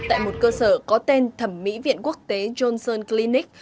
tại một cơ sở có tên thẩm mỹ viện quốc tế johnson cleanic